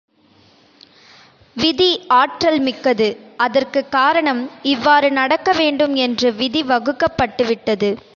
விதி ஆற்றல் மிக்கது. அதற்குக் காரணம் இவ்வாறு நடக்க வேண்டும் என்று விதி வகுக்கப் பட்டுவிட்டது.